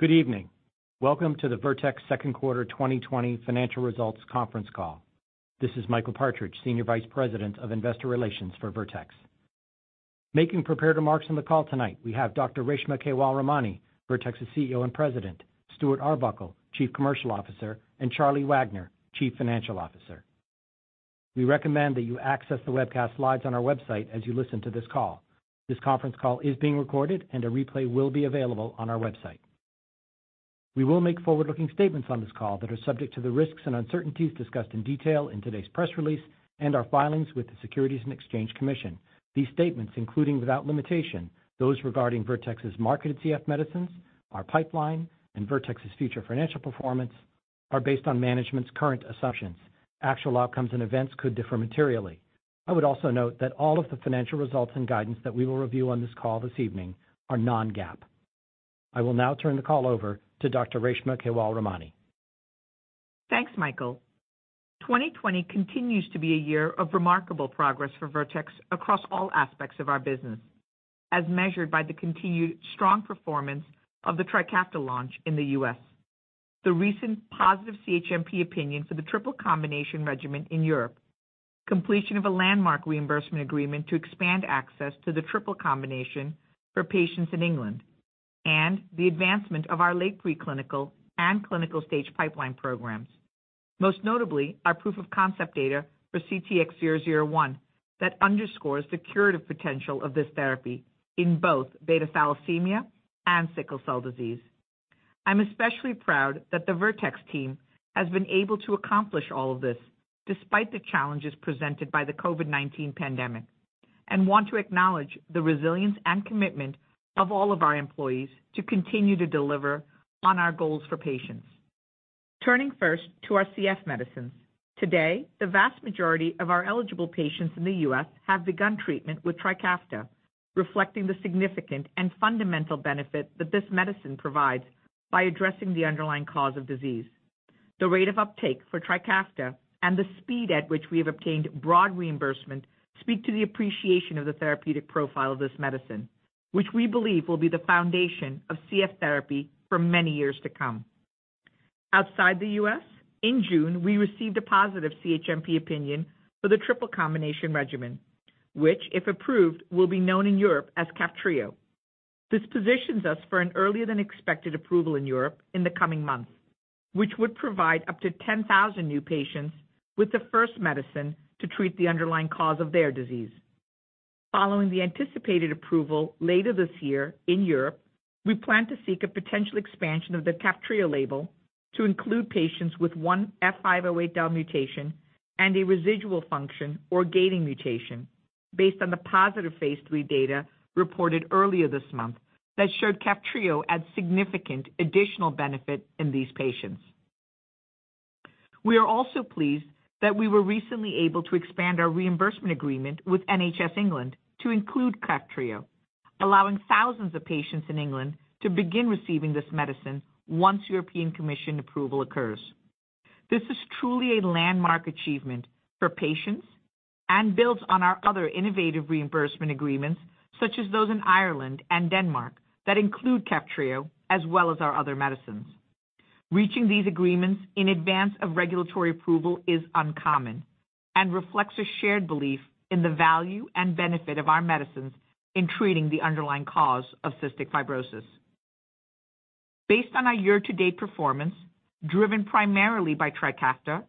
Good evening. Welcome to the Vertex second quarter 2020 financial results conference call. This is Michael Partridge, Senior Vice President of Investor Relations for Vertex. Making prepared remarks on the call tonight, we have Dr. Reshma Kewalramani, Vertex's CEO and President, Stuart Arbuckle, Chief Commercial Officer, and Charles Wagner, Chief Financial Officer. We recommend that you access the webcast slides on our website as you listen to this call. This conference call is being recorded, and a replay will be available on our website. We will make forward-looking statements on this call that are subject to the risks and uncertainties discussed in detail in today's press release and our filings with the Securities and Exchange Commission. These statements, including without limitation, those regarding Vertex's marketed CF medicines, our pipeline, and Vertex's future financial performance, are based on management's current assumptions. Actual outcomes and events could differ materially. I would also note that all of the financial results and guidance that we will review on this call this evening are non-GAAP. I will now turn the call over to Dr. Reshma Kewalramani. Thanks, Michael. 2020 continues to be a year of remarkable progress for Vertex across all aspects of our business, as measured by the continued strong performance of the TRIKAFTA launch in the U.S. The recent positive CHMP opinion for the triple combination regimen in Europe, completion of a landmark reimbursement agreement to expand access to the triple combination for patients in England, and the advancement of our late pre-clinical and clinical stage pipeline programs. Most notably, our proof of concept data for CTX001 that underscores the curative potential of this therapy in both beta thalassemia and sickle cell disease. I'm especially proud that the Vertex team has been able to accomplish all of this despite the challenges presented by the COVID-19 pandemic, and want to acknowledge the resilience and commitment of all of our employees to continue to deliver on our goals for patients. Turning first to our CF medicines, today, the vast majority of our eligible patients in the U.S. have begun treatment with TRIKAFTA, reflecting the significant and fundamental benefit that this medicine provides by addressing the underlying cause of disease. The rate of uptake for TRIKAFTA and the speed at which we have obtained broad reimbursement speak to the appreciation of the therapeutic profile of this medicine, which we believe will be the foundation of CF therapy for many years to come. Outside the U.S., in June, we received a positive CHMP opinion for the triple combination regimen, which, if approved, will be known in Europe as KAFTRIO. This positions us for an earlier than expected approval in Europe in the coming months, which would provide up to 10,000 new patients with the first medicine to treat the underlying cause of their disease. Following the anticipated approval later this year in Europe, we plan to seek a potential expansion of the KAFTRIO label to include patients with one F508del mutation and a residual function or gating mutation based on the positive phase III data reported earlier this month that showed KAFTRIO adds significant additional benefit in these patients. We are also pleased that we were recently able to expand our reimbursement agreement with NHS England to include KAFTRIO, allowing thousands of patients in England to begin receiving this medicine once European Commission approval occurs. This is truly a landmark achievement for patients and builds on our other innovative reimbursement agreements such as those in Ireland and Denmark that include KAFTRIO as well as our other medicines. Reaching these agreements in advance of regulatory approval is uncommon and reflects a shared belief in the value and benefit of our medicines in treating the underlying cause of cystic fibrosis. Based on our year-to-date performance, driven primarily by TRIKAFTA,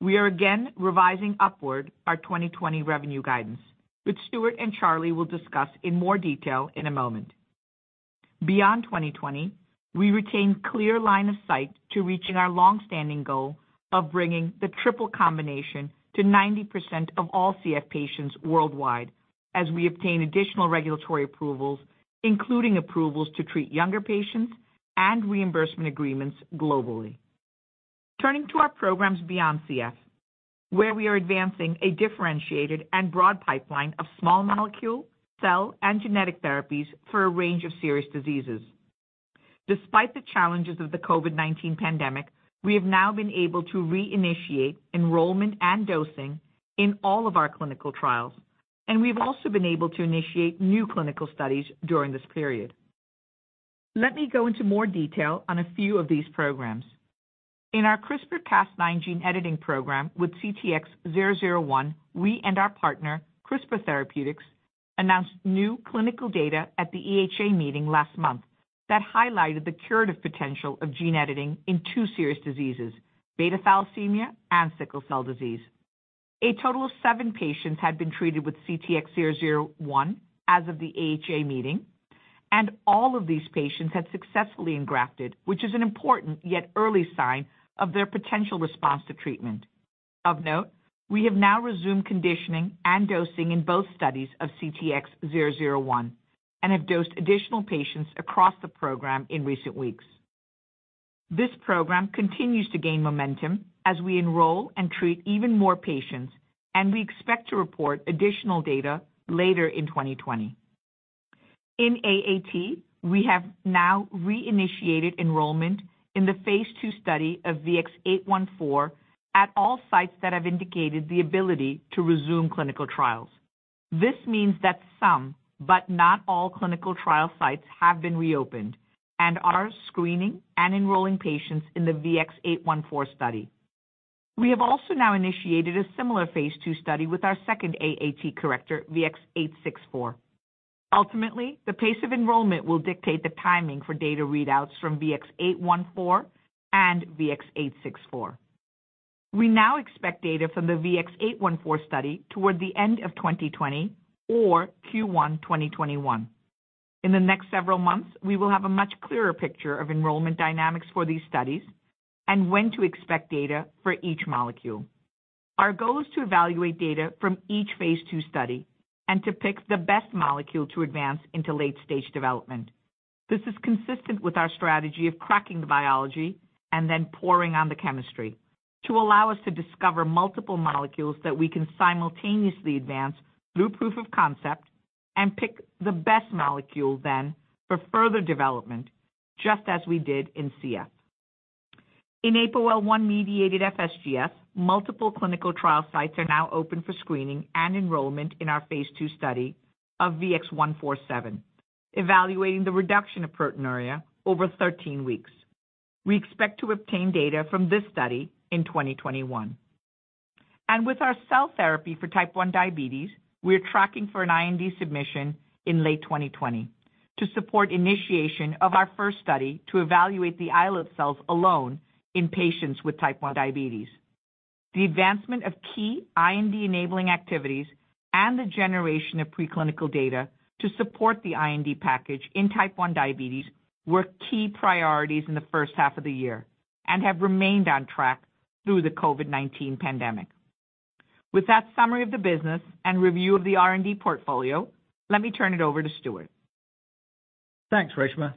we are again revising upward our 2020 revenue guidance, which Stuart and Charlie will discuss in more detail in a moment. Beyond 2020, we retain clear line of sight to reaching our longstanding goal of bringing the triple combination to 90% of all CF patients worldwide as we obtain additional regulatory approvals, including approvals to treat younger patients and reimbursement agreements globally. Turning to our programs beyond CF, where we are advancing a differentiated and broad pipeline of small molecule, cell, and genetic therapies for a range of serious diseases. Despite the challenges of the COVID-19 pandemic, we have now been able to reinitiate enrollment and dosing in all of our clinical trials, and we've also been able to initiate new clinical studies during this period. Let me go into more detail on a few of these programs. In our CRISPR-Cas9 gene editing program with CTX001, we and our partner, CRISPR Therapeutics, announced new clinical data at the EHA meeting last month that highlighted the curative potential of gene editing in two serious diseases, beta thalassemia and sickle cell disease. A total of seven patients had been treated with CTX001 as of the EHA meeting, and all of these patients had successfully engrafted, which is an important yet early sign of their potential response to treatment. Of note, we have now resumed conditioning and dosing in both studies of CTX001 and have dosed additional patients across the program in recent weeks. This program continues to gain momentum as we enroll and treat even more patients, and we expect to report additional data later in 2020. In AAT, we have now reinitiated enrollment in the phase 2 study of VX-814 at all sites that have indicated the ability to resume clinical trials. This means that some, but not all clinical trial sites have been reopened and are screening and enrolling patients in the VX-814 study. We have also now initiated a similar phase II study with our second AAT corrector, VX-864. Ultimately, the pace of enrollment will dictate the timing for data readouts from VX-814 and VX-864. We now expect data from the VX-814 study toward the end of 2020 or Q1 2021. In the next several months, we will have a much clearer picture of enrollment dynamics for these studies and when to expect data for each molecule. Our goal is to evaluate data from each phase II study and to pick the best molecule to advance into late-stage development. This is consistent with our strategy of cracking the biology and then pouring on the chemistry to allow us to discover multiple molecules that we can simultaneously advance through proof of concept and pick the best molecule then for further development, just as we did in CF. In APOL1-mediated FSGS, multiple clinical trial sites are now open for screening and enrollment in our phase II study of VX-147, evaluating the reduction of proteinuria over 13 weeks. We expect to obtain data from this study in 2021. With our cell therapy for type 1 diabetes, we are tracking for an IND submission in late 2020 to support initiation of our first study to evaluate the islet cells alone in patients with type 1 diabetes. The advancement of key IND-enabling activities and the generation of preclinical data to support the IND package in type 1 diabetes were key priorities in the first half of the year and have remained on track through the COVID-19 pandemic. With that summary of the business and review of the R&D portfolio, let me turn it over to Stuart. Thanks, Reshma.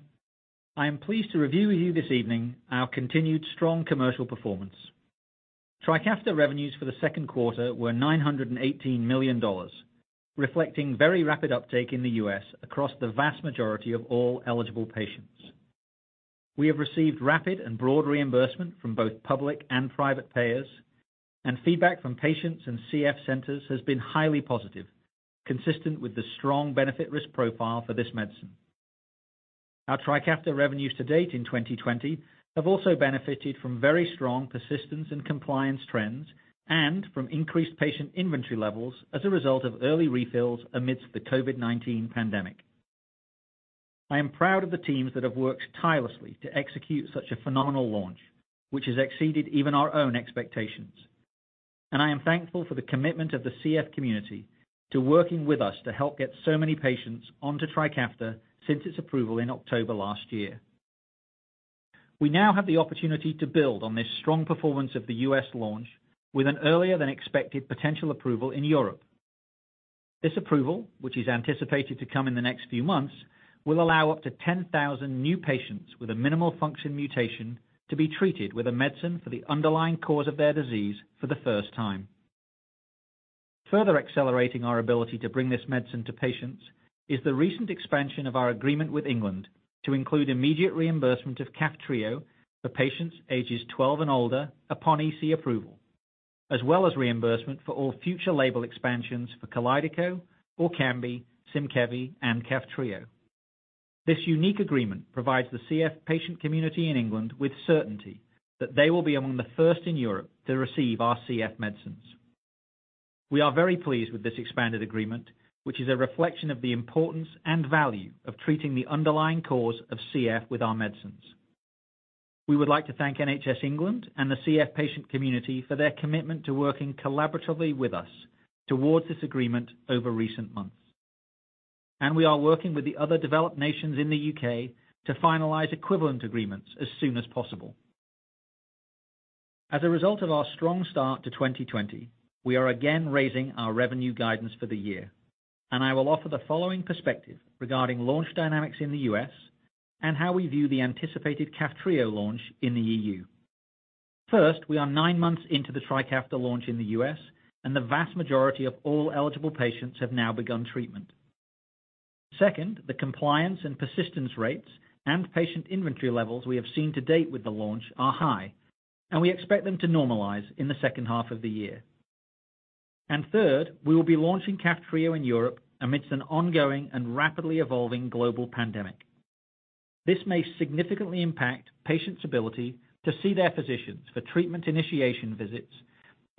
I am pleased to review with you this evening our continued strong commercial performance. TRIKAFTA revenues for the second quarter were $918 million, reflecting very rapid uptake in the U.S. across the vast majority of all eligible patients. We have received rapid and broad reimbursement from both public and private payers, and feedback from patients and CF centers has been highly positive, consistent with the strong benefit-risk profile for this medicine. Our TRIKAFTA revenues to date in 2020 have also benefited from very strong persistence in compliance trends and from increased patient inventory levels as a result of early refills amidst the COVID-19 pandemic. I am proud of the teams that have worked tirelessly to execute such a phenomenal launch, which has exceeded even our own expectations. I am thankful for the commitment of the CF community to working with us to help get so many patients onto TRIKAFTA since its approval in October last year. We now have the opportunity to build on this strong performance of the U.S. launch with an earlier-than-expected potential approval in Europe. This approval, which is anticipated to come in the next few months, will allow up to 10,000 new patients with a minimal function mutation to be treated with a medicine for the underlying cause of their disease for the first time. Further accelerating our ability to bring this medicine to patients is the recent expansion of our agreement with NHS England to include immediate reimbursement of KAFTRIO for patients ages 12 and older upon EC approval, as well as reimbursement for all future label expansions for KALYDECO, ORKAMBI, SYMKEVI, and KAFTRIO. This unique agreement provides the CF patient community in England with certainty that they will be among the first in Europe to receive our CF medicines. We are very pleased with this expanded agreement, which is a reflection of the importance and value of treating the underlying cause of CF with our medicines. We would like to thank NHS England and the CF patient community for their commitment to working collaboratively with us towards this agreement over recent months. We are working with the other developed nations in the U.K. to finalize equivalent agreements as soon as possible. As a result of our strong start to 2020, we are again raising our revenue guidance for the year, and I will offer the following perspective regarding launch dynamics in the U.S. and how we view the anticipated KAFTRIO launch in the EU. First, we are nine months into the TRIKAFTA launch in the U.S., and the vast majority of all eligible patients have now begun treatment. Second, the compliance and persistence rates and patient inventory levels we have seen to date with the launch are high, and we expect them to normalize in the second half of the year. Third, we will be launching KAFTRIO in Europe amidst an ongoing and rapidly evolving global pandemic. This may significantly impact patients' ability to see their physicians for treatment initiation visits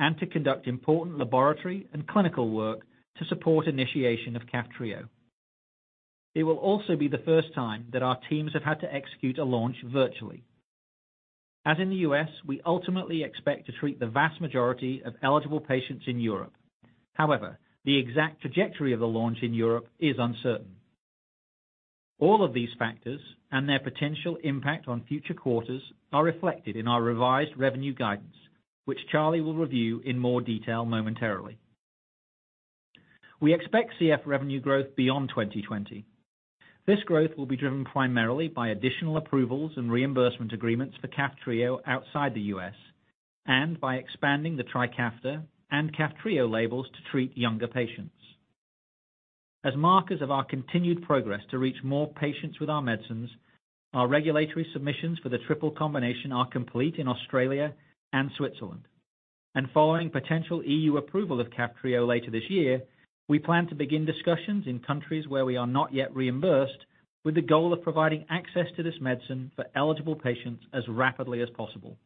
and to conduct important laboratory and clinical work to support initiation of KAFTRIO. It will also be the first time that our teams have had to execute a launch virtually. As in the U.S., we ultimately expect to treat the vast majority of eligible patients in Europe. However, the exact trajectory of the launch in Europe is uncertain. All of these factors and their potential impact on future quarters are reflected in our revised revenue guidance, which Charlie will review in more detail momentarily. We expect CF revenue growth beyond 2020. This growth will be driven primarily by additional approvals and reimbursement agreements for KAFTRIO outside the U.S. and by expanding the TRIKAFTA and KAFTRIO labels to treat younger patients. As markers of our continued progress to reach more patients with our medicines, our regulatory submissions for the triple combination are complete in Australia and Switzerland. Following potential EU approval of KAFTRIO later this year, we plan to begin discussions in countries where we are not yet reimbursed, with the goal of providing access to this medicine for eligible patients as rapidly as possible.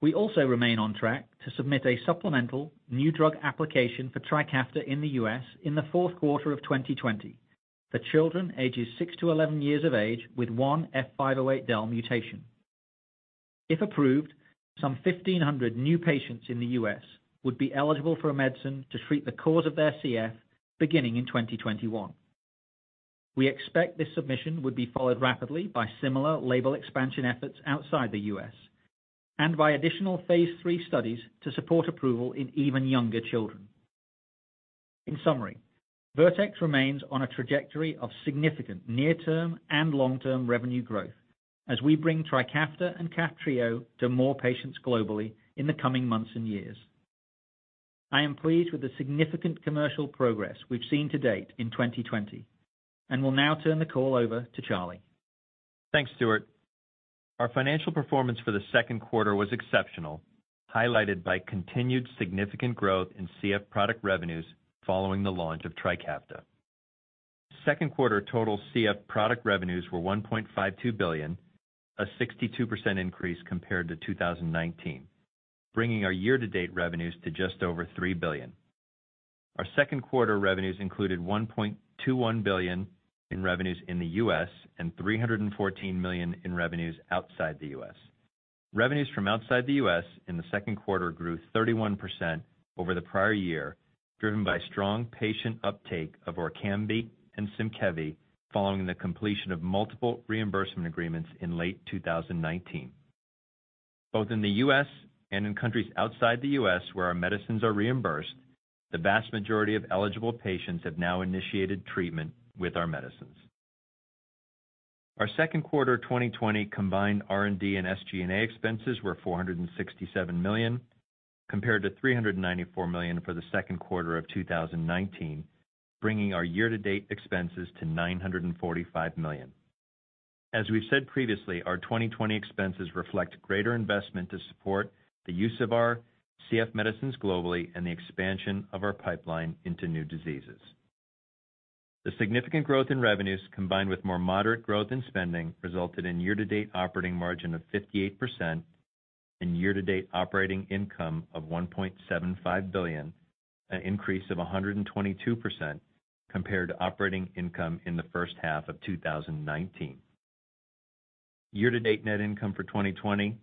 We also remain on track to submit a supplemental new drug application for TRIKAFTA in the U.S. in the fourth quarter of 2020 for children ages six to 11 years of age with one F508del mutation. If approved, some 1,500 new patients in the U.S. would be eligible for a medicine to treat the cause of their CF, beginning in 2021. We expect this submission would be followed rapidly by similar label expansion efforts outside the U.S., and by additional phase III studies to support approval in even younger children. In summary, Vertex remains on a trajectory of significant near-term and long-term revenue growth as we bring TRIKAFTA and KAFTRIO to more patients globally in the coming months and years. I am pleased with the significant commercial progress we've seen to date in 2020 and will now turn the call over to Charlie. Thanks, Stuart. Our financial performance for the second quarter was exceptional, highlighted by continued significant growth in CF product revenues following the launch of TRIKAFTA. Second quarter total CF product revenues were $1.52 billion, a 62% increase compared to 2019, bringing our year-to-date revenues to just over $3 billion. Our second quarter revenues included $1.21 billion in revenues in the U.S. and $314 million in revenues outside the U.S. Revenues from outside the U.S. in the second quarter grew 31% over the prior year, driven by strong patient uptake of ORKAMBI and SYMKEVI following the completion of multiple reimbursement agreements in late 2019. Both in the U.S. and in countries outside the U.S. where our medicines are reimbursed, the vast majority of eligible patients have now initiated treatment with our medicines. Our second quarter 2020 combined R&D and SG&A expenses were $467 million, compared to $394 million for the second quarter of 2019, bringing our year-to-date expenses to $945 million. As we've said previously, our 2020 expenses reflect greater investment to support the use of our CF medicines globally and the expansion of our pipeline into new diseases. The significant growth in revenues, combined with more moderate growth in spending, resulted in year-to-date operating margin of 58% and year-to-date operating income of $1.75 billion, an increase of 122% compared to operating income in the first half of 2019. Year-to-date net income for 2020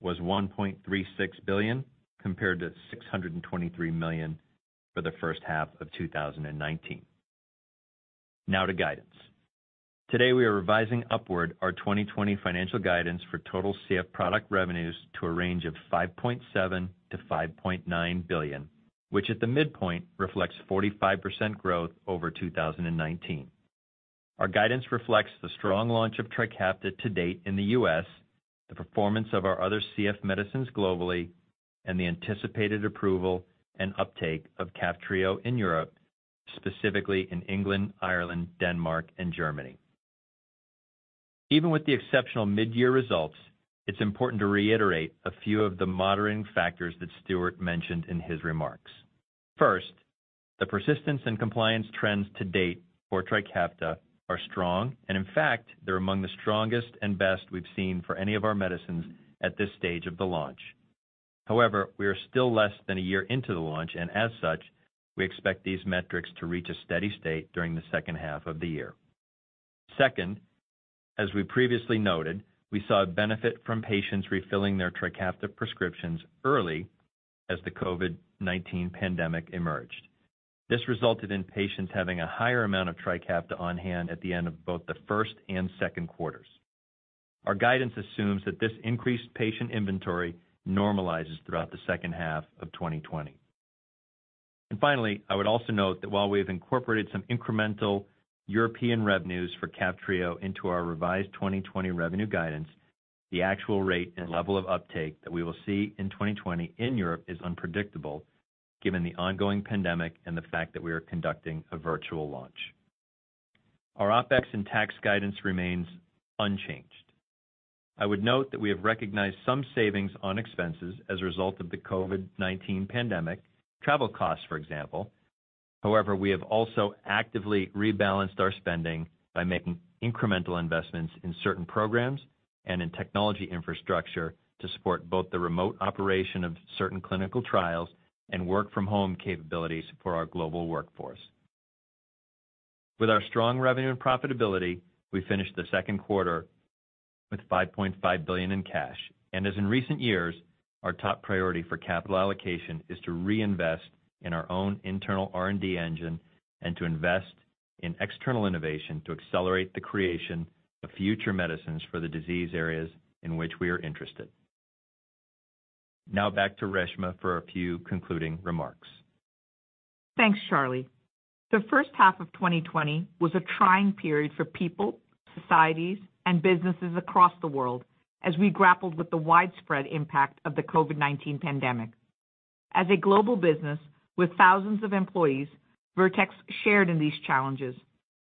was $1.36 billion, compared to $623 million for the first half of 2019. Now to guidance. Today, we are revising upward our 2020 financial guidance for total CF product revenues to a range of $5.7 billion-$5.9 billion, which at the midpoint reflects 45% growth over 2019. Our guidance reflects the strong launch of TRIKAFTA to date in the U.S., the performance of our other CF medicines globally, and the anticipated approval and uptake of KAFTRIO in Europe, specifically in England, Ireland, Denmark, and Germany. Even with the exceptional mid-year results, it's important to reiterate a few of the moderating factors that Stuart mentioned in his remarks. First, the persistence and compliance trends to date for TRIKAFTA are strong. In fact, they're among the strongest and best we've seen for any of our medicines at this stage of the launch. We are still less than a year into the launch, and as such, we expect these metrics to reach a steady state during the second half of the year. Second, as we previously noted, we saw a benefit from patients refilling their TRIKAFTA prescriptions early as the COVID-19 pandemic emerged. This resulted in patients having a higher amount of TRIKAFTA on hand at the end of both the first and second quarters. Our guidance assumes that this increased patient inventory normalizes throughout the second half of 2020. Finally, I would also note that while we have incorporated some incremental European revenues for KAFTRIO into our revised 2020 revenue guidance, the actual rate and level of uptake that we will see in 2020 in Europe is unpredictable given the ongoing pandemic and the fact that we are conducting a virtual launch. Our OPEX and tax guidance remains unchanged. I would note that we have recognized some savings on expenses as a result of the COVID-19 pandemic, travel costs for example. However, we have also actively rebalanced our spending by making incremental investments in certain programs and in technology infrastructure to support both the remote operation of certain clinical trials and work-from-home capabilities for our global workforce. With our strong revenue and profitability, we finished the second quarter with $5.5 billion in cash. As in recent years, our top priority for capital allocation is to reinvest in our own internal R&D engine and to invest in external innovation to accelerate the creation of future medicines for the disease areas in which we are interested. Now back to Reshma for a few concluding remarks. Thanks, Charlie. The first half of 2020 was a trying period for people, societies, and businesses across the world as we grappled with the widespread impact of the COVID-19 pandemic. As a global business with thousands of employees, Vertex shared in these challenges.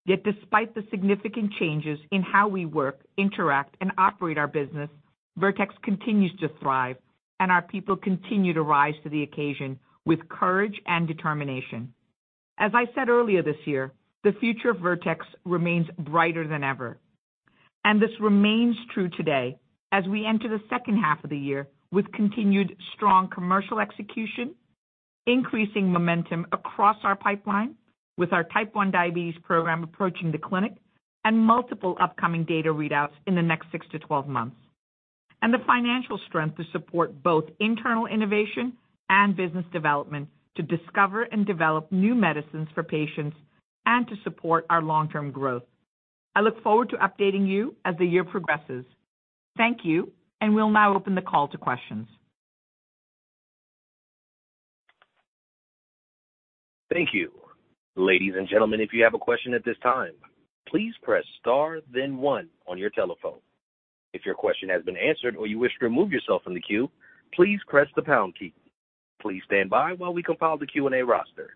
Yet despite the significant changes in how we work, interact, and operate our business, Vertex continues to thrive, and our people continue to rise to the occasion with courage and determination. As I said earlier this year, the future of Vertex remains brighter than ever. This remains true today as we enter the second half of the year with continued strong commercial execution, increasing momentum across our pipeline with our type 1 diabetes program approaching the clinic, and multiple upcoming data readouts in the next 6-12 months, and the financial strength to support both internal innovation and business development to discover and develop new medicines for patients and to support our long-term growth. I look forward to updating you as the year progresses. Thank you, and we'll now open the call to questions. Thank you. Ladies and gentlemen, if you have a question at this time, please press star then one on your telephone. If your question has been answered or you wish to remove yourself from the queue, please press the pound key. Please stand by while we compile the Q&A roster.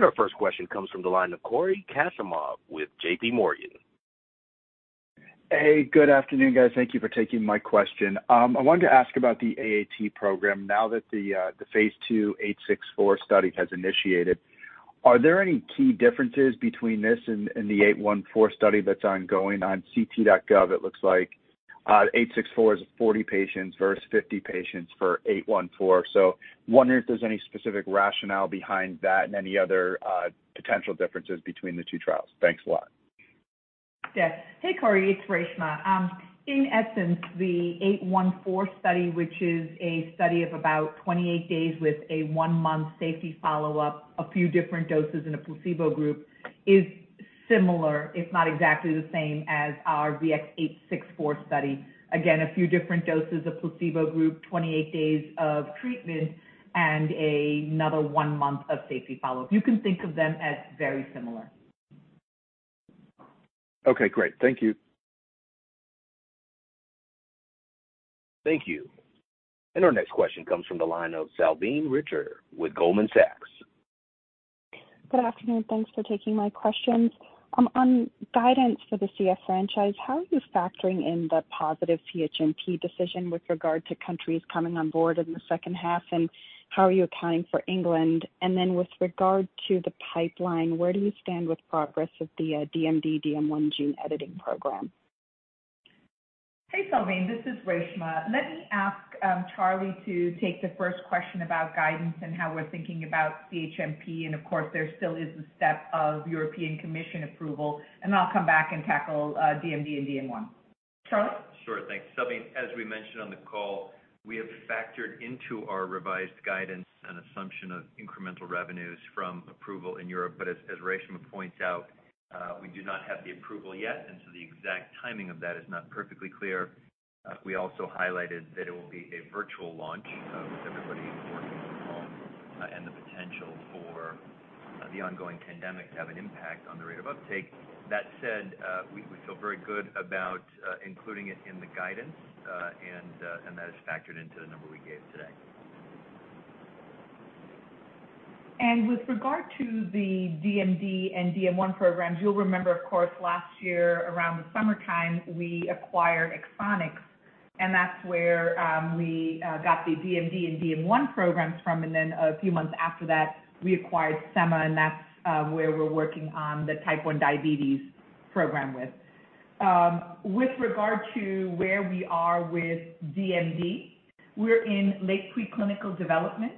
Our first question comes from the line of Cory Kasimov with J.P. Morgan. Hey, good afternoon, guys. Thank you for taking my question. I wanted to ask about the AAT program now that the phase 2 VX-864 study has initiated. Are there any key differences between this and the VX-814 study that's ongoing on ClinicalTrials.gov? It looks like VX-864 is 40 patients versus 50 patients for VX-814. Wondering if there's any specific rationale behind that and any other potential differences between the two trials. Thanks a lot. Yes. Hey, Cory. It's Reshma. In essence, the VX-814 study, which is a study of about 28 days with a one-month safety follow-up, a few different doses and a placebo group, is similar, if not exactly the same as our VX-864 study. A few different doses of placebo group, 28 days of treatment, and another one month of safety follow-up. You can think of them as very similar. Okay, great. Thank you. Thank you. Our next question comes from the line of Salveen Richter with Goldman Sachs. Good afternoon. Thanks for taking my questions. On guidance for the CF franchise, how are you factoring in the positive CHMP decision with regard to countries coming on board in the second half, and how are you accounting for England? Then with regard to the pipeline, where do we stand with progress of the DMD, DM1 gene editing program? Hey, Salveen. This is Reshma. Let me ask Charlie to take the first question about guidance and how we're thinking about CHMP, and of course, there still is a step of European Commission approval, and I'll come back and tackle DMD and DM1. Charlie? Sure, thanks. Salveen, as we mentioned on the call, we have factored into our revised guidance an assumption of incremental revenues from approval in Europe. As Reshma points out, we do not have the approval yet, the exact timing of that is not perfectly clear. We also highlighted that it will be a virtual launch with everybody working from home, and the potential for the ongoing pandemic to have an impact on the rate of uptake. That said, we feel very good about including it in the guidance, and that is factored into the number we gave today. With regard to the DMD and DM1 programs, you'll remember, of course, last year around the summertime, we acquired Exonics, and that's where we got the DMD and DM1 programs from. Then a few months after that, we acquired Semma, and that's where we're working on the Type 1 diabetes program with. With regard to where we are with DMD, we're in late preclinical development.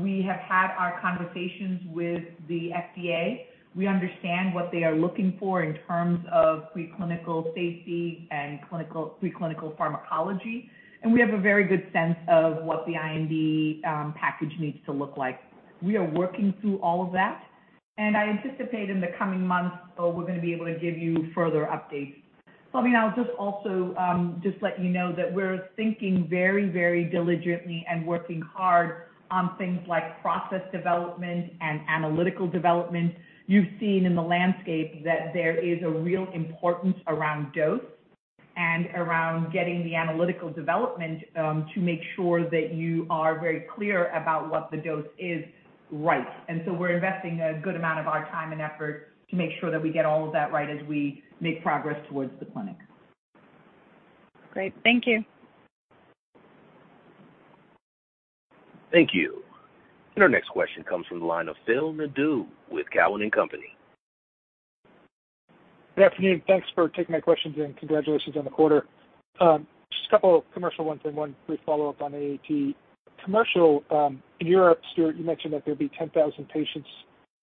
We have had our conversations with the FDA. We understand what they are looking for in terms of preclinical safety and preclinical pharmacology, and we have a very good sense of what the IND package needs to look like. We are working through all of that, and I anticipate in the coming months, we're going to be able to give you further updates. Salveen, I'll just also let you know that we're thinking very diligently and working hard on things like process development and analytical development. You've seen in the landscape that there is a real importance around dose and around getting the analytical development to make sure that you are very clear about what the dose is right. We're investing a good amount of our time and effort to make sure that we get all of that right as we make progress towards the clinic. Great. Thank you. Thank you. Our next question comes from the line of Phil Nadeau with Cowen and Company. Good afternoon. Thanks for taking my questions, and congratulations on the quarter. Just a couple commercial ones and one brief follow-up on AAT. Commercial, in Europe, Stuart, you mentioned that there'll be 10,000 patients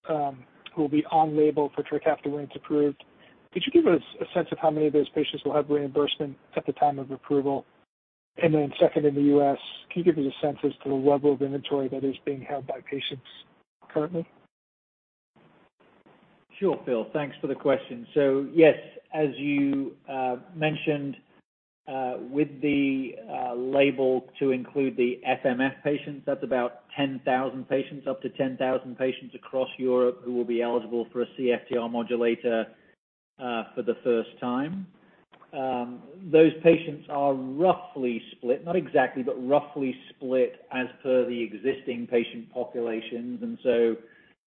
who will be on label for TRIKAFTA when it's approved. Could you give us a sense of how many of those patients will have reimbursement at the time of approval? Second, in the U.S., can you give us a sense as to the level of inventory that is being held by patients currently? Sure, Phil. Thanks for the question. Yes, as you mentioned, with the label to include the F/MF patients, that's about 10,000 patients, up to 10,000 patients across Europe who will be eligible for a CFTR modulator for the first time. Those patients are roughly split, not exactly, but roughly split as per the existing patient populations.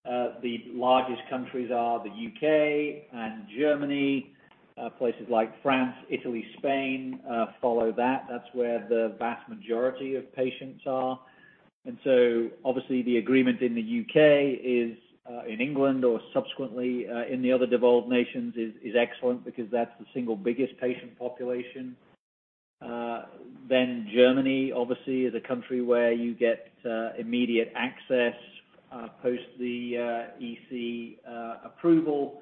The largest countries are the U.K. and Germany. Places like France, Italy, Spain follow that. That's where the vast majority of patients are. Obviously the agreement in the U.K. is, in England or subsequently in the other devolved nations, is excellent because that's the single biggest patient population. Germany obviously is a country where you get immediate access post the EC approval.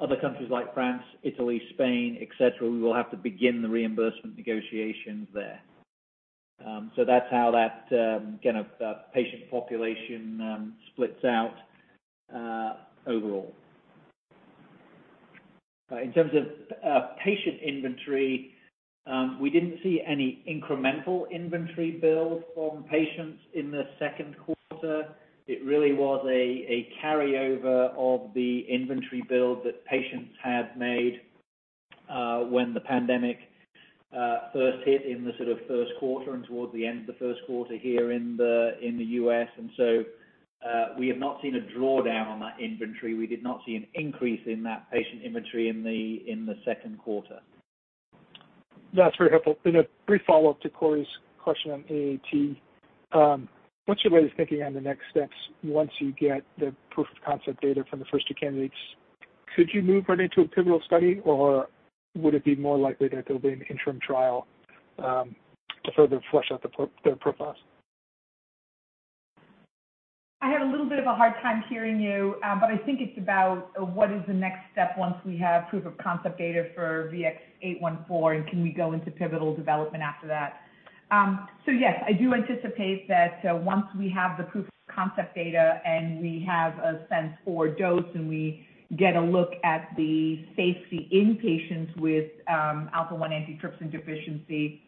Other countries like France, Italy, Spain, et cetera, we will have to begin the reimbursement negotiations there. That's how that patient population splits out overall. In terms of patient inventory, we didn't see any incremental inventory build from patients in the second quarter. It really was a carryover of the inventory build that patients had made when the pandemic first hit in the first quarter and towards the end of the first quarter here in the U.S. We have not seen a drawdown on that inventory. We did not see an increase in that patient inventory in the second quarter. That's very helpful. A brief follow-up to Cory's question on AAT. What's your way of thinking on the next steps once you get the proof of concept data from the first two candidates? Could you move right into a pivotal study, or would it be more likely that there'll be an interim trial to further flesh out their profiles? I had a little bit of a hard time hearing you, I think it's about what is the next step once we have proof of concept data for VX-814, and can we go into pivotal development after that. Yes, I do anticipate that once we have the proof of concept data and we have a sense for dose, and we get a look at the safety in patients with alpha-1 antitrypsin deficiency,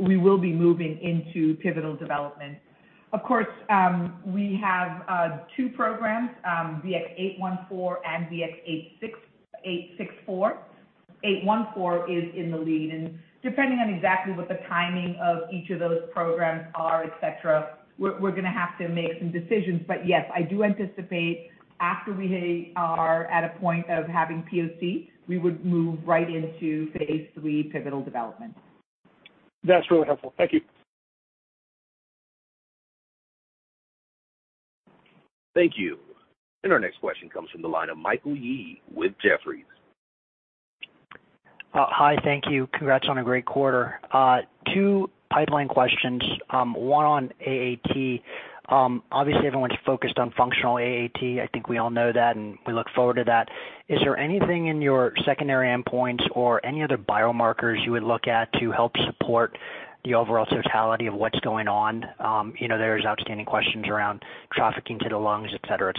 we will be moving into pivotal development. Of course, we have two programs, VX-814 and VX-864. 814 is in the lead, depending on exactly what the timing of each of those programs are, et cetera, we're going to have to make some decisions. Yes, I do anticipate after we are at a point of having POC, we would move right into phase III pivotal development. That's really helpful. Thank you. Thank you. Our next question comes from the line of Michael Yee with Jefferies. Hi, thank you. Congrats on a great quarter. Two pipeline questions. One on AAT. Obviously, everyone's focused on functional AAT. I think we all know that, and we look forward to that. Is there anything in your secondary endpoints or any other biomarkers you would look at to help support the overall totality of what's going on? There's outstanding questions around trafficking to the lungs, et cetera.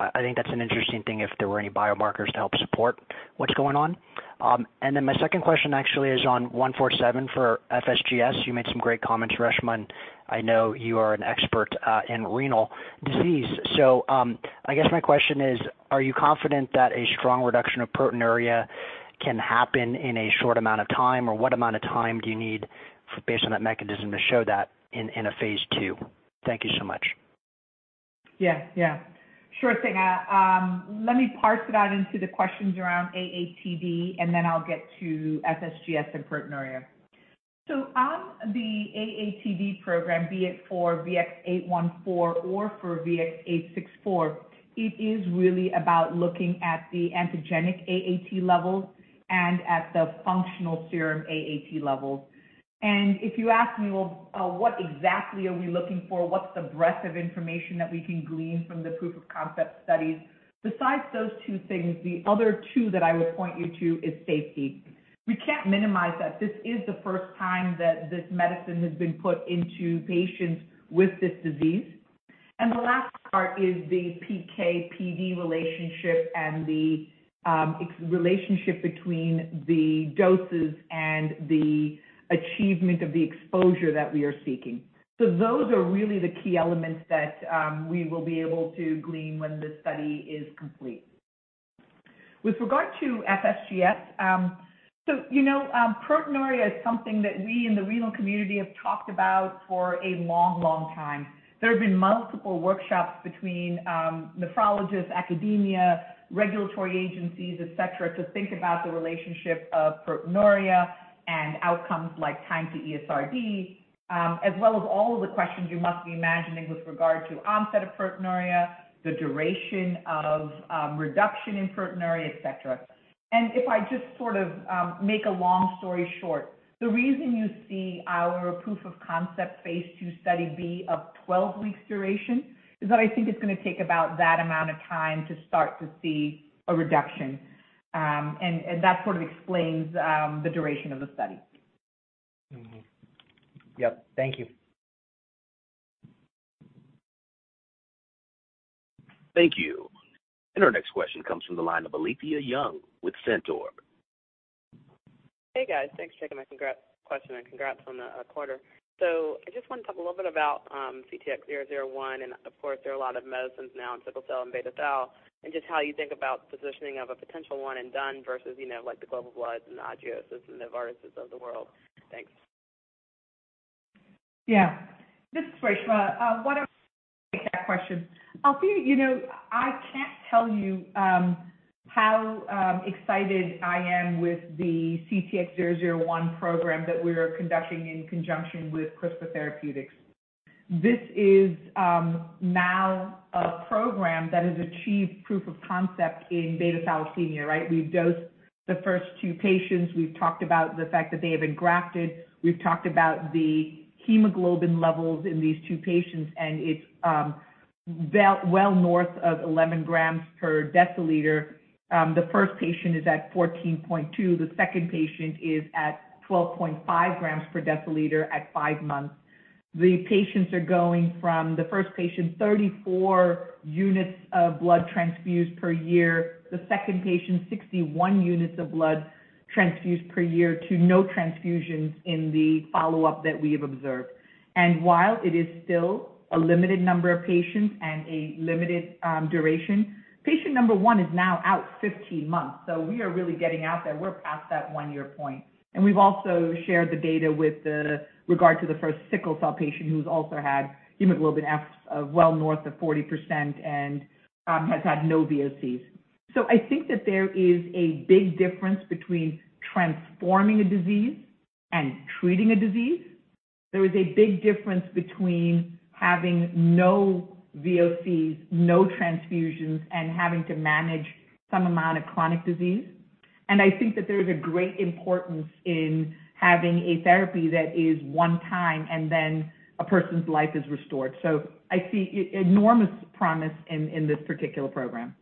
I think that's an interesting thing if there were any biomarkers to help support what's going on. My second question actually is on VX-147 for FSGS. You made some great comments, Reshma. I know you are an expert in renal disease. I guess my question is, are you confident that a strong reduction of proteinuria can happen in a short amount of time, or what amount of time do you need based on that mechanism to show that in a phase II? Thank you so much. Yeah. Sure thing. Let me parse that into the questions around AATD, I'll get to FSGS and proteinuria. On the AATD program, be it for VX-814 or for VX-864, it is really about looking at the antigenic AAT levels and at the functional serum AAT levels. If you ask me, "Well, what exactly are we looking for? What's the breadth of information that we can glean from the proof of concept studies?" Besides those two things, the other two that I would point you to is safety. We can't minimize that. This is the first time that this medicine has been put into patients with this disease. The last part is the PK/PD relationship and the relationship between the doses and the achievement of the exposure that we are seeking. Those are really the key elements that we will be able to glean when the study is complete. With regard to FSGS, proteinuria is something that we in the renal community have talked about for a long time. There have been multiple workshops between nephrologists, academia, regulatory agencies, et cetera, to think about the relationship of proteinuria and outcomes like time to ESRD, as well as all of the questions you must be imagining with regard to onset of proteinuria, the duration of reduction in proteinuria, et cetera. If I just sort of make a long story short, the reason you see our proof of concept phase II study be of 12 weeks duration is that I think it's going to take about that amount of time to start to see a reduction. That sort of explains the duration of the study. Mm-hmm. Yep. Thank you. Thank you. Our next question comes from the line of Alethia Young with Cantor. Hey, guys. Thanks for taking my question, and congrats on the quarter. I just wanted to talk a little bit about CTX001, and of course, there are a lot of medicines now in sickle cell and beta thal, and just how you think about positioning of a potential one and done versus like the Global Bloods and the Agios' and the Novartis' of the world. Thanks. Yeah. This is Reshma. What a great question. Alethia, I can't tell you how excited I am with the CTX001 program that we are conducting in conjunction with CRISPR Therapeutics. This is now a program that has achieved proof of concept in beta thalassemia. We've dosed the first two patients. We've talked about the fact that they have been grafted. We've talked about the hemoglobin levels in these two patients, and it's well north of 11 grams per deciliter. The first patient is at 14.2. The second patient is at 12.5 grams per deciliter at five months. The patients are going from the first patient, 34 units of blood transfused per year, the second patient, 61 units of blood transfused per year, to no transfusions in the follow-up that we have observed. While it is still a limited number of patients and a limited duration, patient number 1 is now out 15 months. We are really getting out there. We're past that one-year point. We've also shared the data with regard to the first sickle cell patient who's also had hemoglobin F of well north of 40% and has had no VOCs. I think that there is a big difference between transforming a disease and treating a disease. There is a big difference between having no VOCs, no transfusions, and having to manage some amount of chronic disease. I think that there's a great importance in having a therapy that is one time and then a person's life is restored. I see enormous promise in this particular program.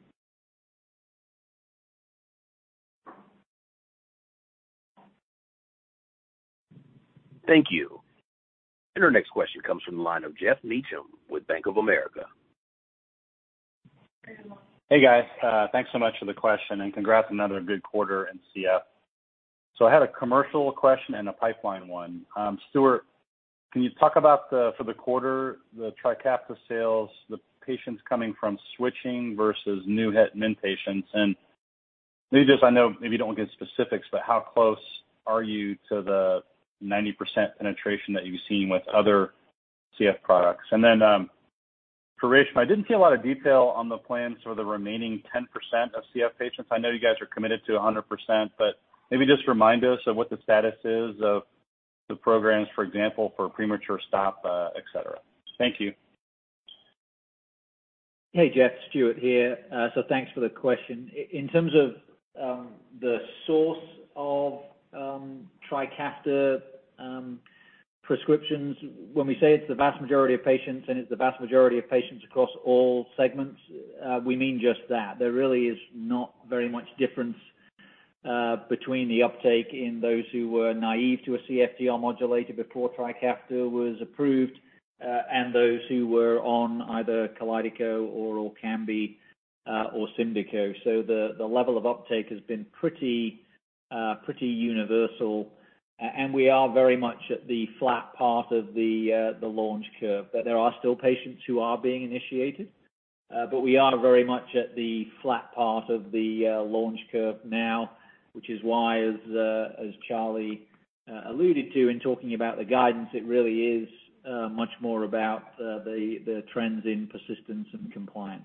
Thank you. Our next question comes from the line of Geoff Meacham with Bank of America. Hey, guys. Thanks so much for the question. Congrats on another good quarter in CF. I had a commercial question and a pipeline one. Stuart, can you talk about, for the quarter, the TRIKAFTA sales, the patients coming from switching versus new heterozygous minimal function patients? Maybe just, I know maybe you don't want to give specifics, but how close are you to the 90% penetration that you've seen with other CF products? For Reshma, I didn't see a lot of detail on the plans for the remaining 10% of CF patients. I know you guys are committed to 100%, but maybe just remind us of what the status is of the programs, for example, for premature stop, et cetera. Thank you. Hey, Geoff. Stuart here. Thanks for the question. In terms of the source of TRIKAFTA prescriptions, when we say it's the vast majority of patients, and it's the vast majority of patients across all segments, we mean just that. There really is not very much difference between the uptake in those who were naive to a CFTR modulator before TRIKAFTA was approved, and those who were on either KALYDECO or ORKAMBI or SYMDEKO. The level of uptake has been pretty universal, and we are very much at the flat part of the launch curve, but there are still patients who are being initiated. We are very much at the flat part of the launch curve now, which is why, as Charlie alluded to in talking about the guidance, it really is much more about the trends in persistence and compliance.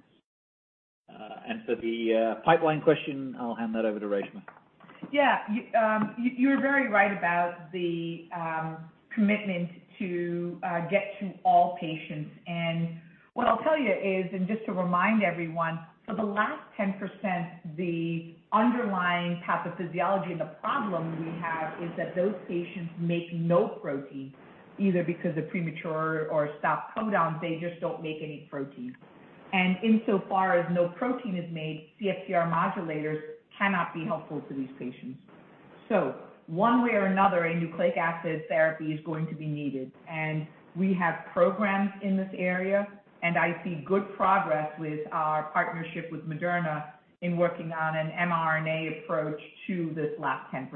For the pipeline question, I'll hand that over to Reshma. Yeah. You're very right about the commitment to get to all patients. What I'll tell you is, and just to remind everyone, for the last 10%, the underlying pathophysiology and the problem we have is that those patients make no protein, either because of premature or stop codons, they just don't make any protein. Insofar as no protein is made, CFTR modulators cannot be helpful to these patients. One way or another, a nucleic acid therapy is going to be needed. We have programs in this area, and I see good progress with our partnership with Moderna in working on an mRNA approach to this last 10%.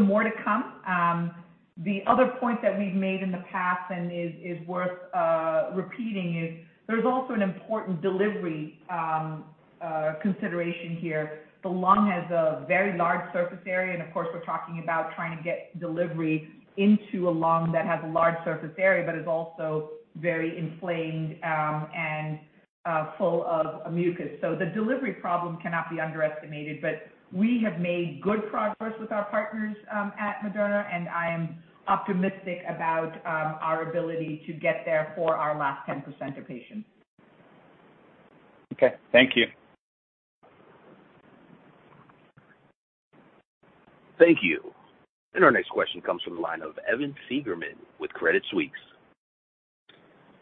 More to come. The other point that we've made in the past and is worth repeating is there's also an important delivery consideration here. The lung has a very large surface area, and of course, we're talking about trying to get delivery into a lung that has a large surface area, but is also very inflamed and full of mucus. The delivery problem cannot be underestimated, but we have made good progress with our partners at Moderna, and I am optimistic about our ability to get there for our last 10% of patients. Okay. Thank you. Thank you. Our next question comes from the line of Evan Seigerman with Credit Suisse.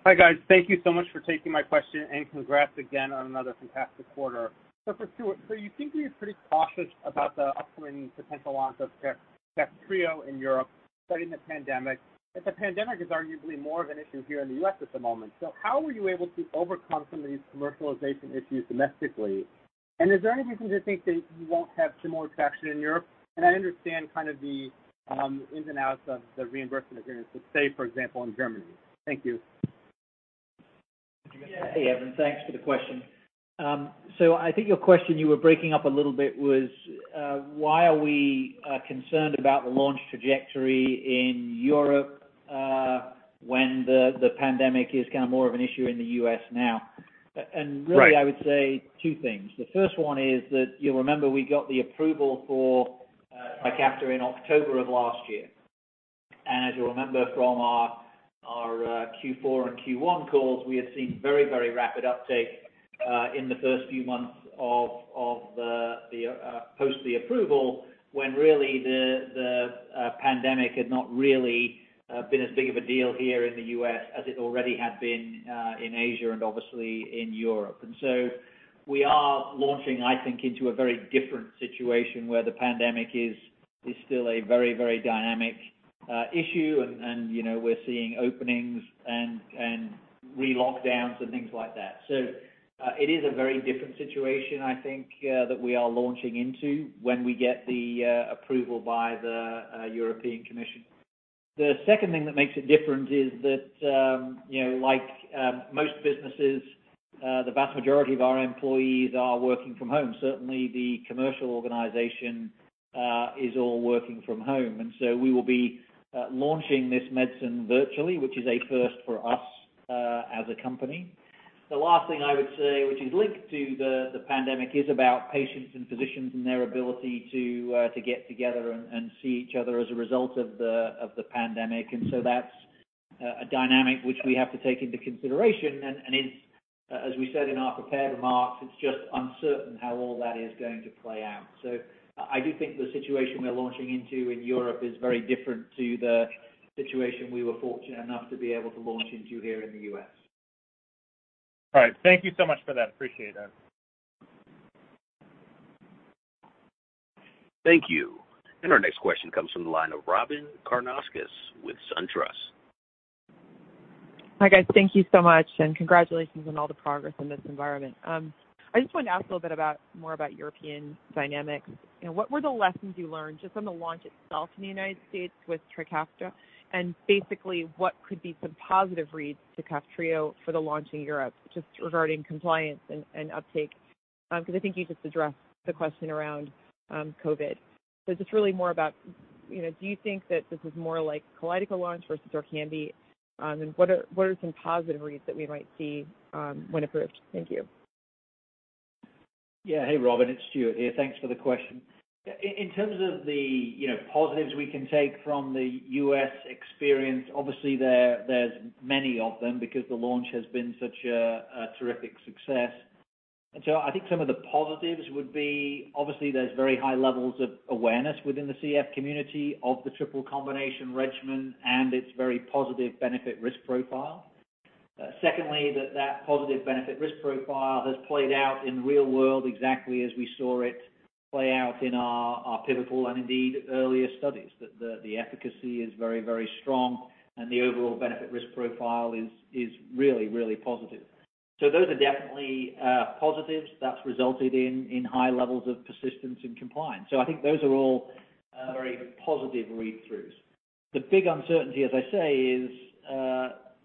Hi, guys. Thank you so much for taking my question, and congrats again on another fantastic quarter. For Stuart, you seem to be pretty cautious about the upcoming potential launch of KAFTRIO in Europe, citing the pandemic. The pandemic is arguably more of an issue here in the U.S. at the moment. How were you able to overcome some of these commercialization issues domestically? Is there any reason to think that you won't have similar traction in Europe? I understand the ins and outs of the reimbursement agreements, let's say, for example, in Germany. Thank you. Yeah. Hey, Evan. Thanks for the question. I think your question, you were breaking up a little bit, was why are we concerned about the launch trajectory in Europe when the pandemic is more of an issue in the U.S. now? Right. Really, I would say two things. The first one is that you'll remember we got the approval for TRIKAFTA in October of last year. As you'll remember from our Q4 and Q1 calls, we had seen very rapid uptake in the first few months post the approval, when really the pandemic had not really been as big of a deal here in the U.S. as it already had been in Asia and obviously in Europe. We are launching, I think, into a very different situation where the pandemic is still a very dynamic issue. We're seeing openings and re-lockdowns and things like that. It is a very different situation, I think, that we are launching into when we get the approval by the European Commission. The second thing that makes it different is that like most businesses, the vast majority of our employees are working from home. Certainly, the commercial organization is all working from home. We will be launching this medicine virtually, which is a first for us as a company. The last thing I would say, which is linked to the pandemic, is about patients and physicians and their ability to get together and see each other as a result of the pandemic. That's a dynamic which we have to take into consideration. As we said in our prepared remarks, it's just uncertain how all that is going to play out. I do think the situation we're launching into in Europe is very different to the situation we were fortunate enough to be able to launch into here in the U.S. All right. Thank you so much for that. Appreciate it. Thank you. Our next question comes from the line of Robyn Karnauskas with Truist. Hi, guys. Thank you so much, and congratulations on all the progress in this environment. I just wanted to ask a little bit more about European dynamics. What were the lessons you learned just on the launch itself in the U.S. with TRIKAFTA? Basically, what could be some positive reads to KAFTRIO for the launch in Europe, just regarding compliance and uptake? I think you just addressed the question around COVID. Just really more about do you think that this is more like Kalydeco launch versus Orkambi? What are some positive reads that we might see when approved? Thank you. Hey, Robyn, it's Stuart here. Thanks for the question. In terms of the positives we can take from the U.S. experience, obviously there's many of them because the launch has been such a terrific success. I think some of the positives would be, obviously, there's very high levels of awareness within the CF community of the triple combination regimen and its very positive benefit-risk profile. Secondly, that positive benefit-risk profile has played out in the real world exactly as we saw it play out in our pivotal and indeed earlier studies, that the efficacy is very strong, and the overall benefit-risk profile is really positive. Those are definitely positives that's resulted in high levels of persistence and compliance. I think those are all very positive read-throughs. The big uncertainty, as I say, is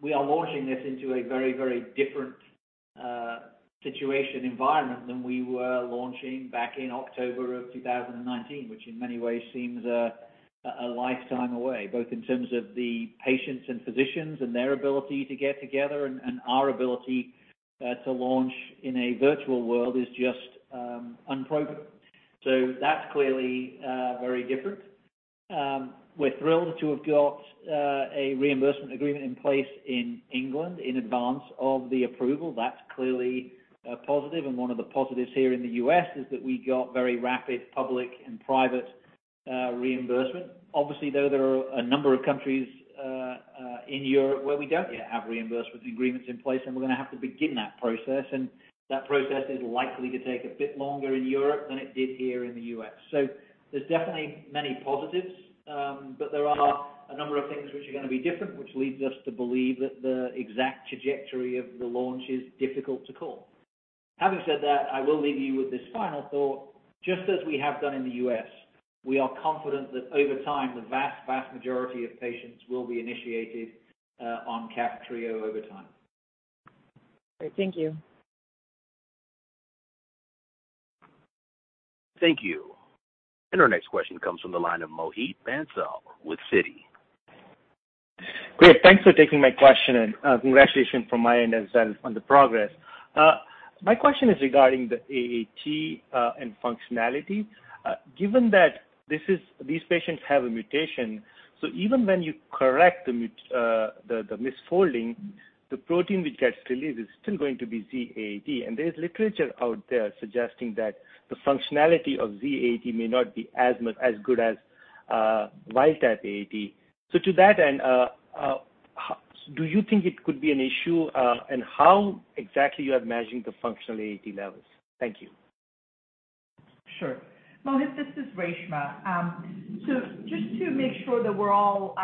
we are launching this into a very different situation environment than we were launching back in October 2019, which in many ways seems a lifetime away, both in terms of the patients and physicians and their ability to get together, and our ability to launch in a virtual world is just unproven. That's clearly very different. We're thrilled to have got a reimbursement agreement in place in England in advance of the approval. That's clearly a positive. One of the positives here in the U.S. is that we got very rapid public and private reimbursement. Obviously, though, there are a number of countries in Europe where we don't yet have reimbursement agreements in place, and we're going to have to begin that process. That process is likely to take a bit longer in Europe than it did here in the U.S. There's definitely many positives, but there are a number of things which are going to be different, which leads us to believe that the exact trajectory of the launch is difficult to call. Having said that, I will leave you with this final thought. Just as we have done in the U.S., we are confident that over time, the vast majority of patients will be initiated on KAFTRIO over time. Great. Thank you. Thank you. Our next question comes from the line of Mohit Bansal with Citi. Great. Thanks for taking my question. Congratulations from my end as well on the progress. My question is regarding the AAT and functionality. Given that these patients have a mutation, even when you correct the misfolding, the protein which gets released is still going to be zAAT. There's literature out there suggesting that the functionality of zAAT may not be as good as wild-type AAT. To that end, do you think it could be an issue, and how exactly you are measuring the functional AAT levels? Thank you. Sure. Mohit, this is Reshma. Just to make sure that we're all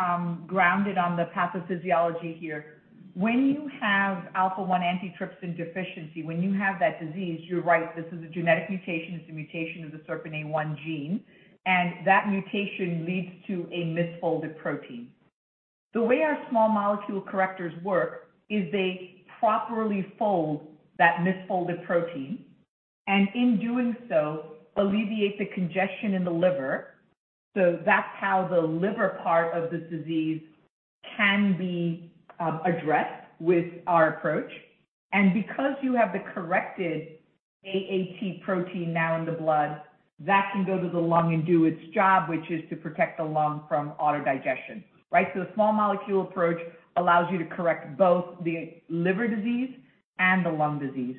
grounded on the pathophysiology here, when you have alpha-1 antitrypsin deficiency, when you have that disease, you're right, this is a genetic mutation. It's a mutation of the SERPINA1 gene, that mutation leads to a misfolded protein. The way our small molecule correctors work is they properly fold that misfolded protein, in doing so, alleviate the congestion in the liver. That's how the liver part of this disease can be addressed with our approach. Because you have the corrected AAT protein now in the blood, that can go to the lung and do its job, which is to protect the lung from autodigestion. Right? The small molecule approach allows you to correct both the liver disease and the lung disease.